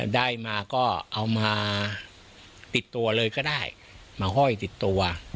ได้มาก็เอามาติดตัวเลยก็ได้มาห้อยติดตัว